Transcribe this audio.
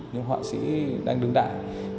những họa sĩ đang đứng đại